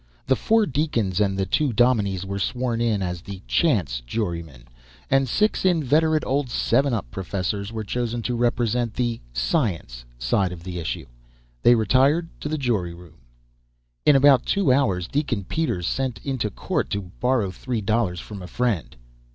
The four deacons and the two dominies were sworn in as the "chance" jurymen, and six inveterate old seven up professors were chosen to represent the "science" side of the issue. They retired to the jury room. In about two hours Deacon Peters sent into court to borrow three dollars from a friend.